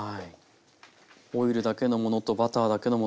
オイルだけのものとバターだけのもの